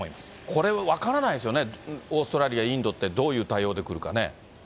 これ、分からないですよね、オーストラリア、インドって、どういう対応でくるかね。